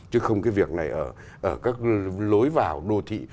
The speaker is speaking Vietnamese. chứ không cái việc này ở các lối vào đô thị